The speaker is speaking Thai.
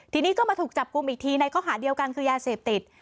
ทีนี้ก็มาถูกจับกลุ่มอีกทีในข้อหาเดียวกันคือยาเสพติด